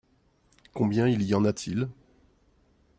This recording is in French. Combien il y en a-t-il ?